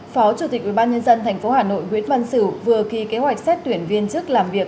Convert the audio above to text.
phó chủ tịch ubnd tp hà nội nguyễn văn sử vừa ký kế hoạch xét tuyển viên chức làm việc